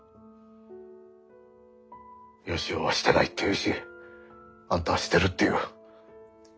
義雄はしてないって言うしあんたはしてるって言う。